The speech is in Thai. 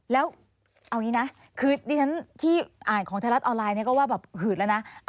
แล้วเอาอย่างนี้นะคือดิฉันที่อ่านของไทยรัฐออนไลน์เนี่ยก็ว่าแบบหืดแล้วนะ